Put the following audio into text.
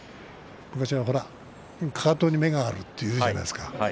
昔は、かかとに目があるというじゃないですか。